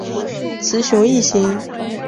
雌雄异型。